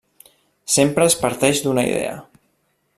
Sempre es parteix d'una idea.